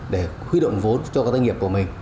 để huy động vốn cho các doanh nghiệp của mình